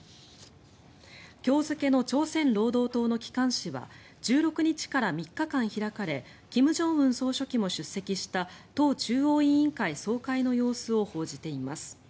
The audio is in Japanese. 今日付の朝鮮労働党の機関紙は１６日から３日間開かれ金正恩総書記も出席した党中央委員会総会の様子を報じています。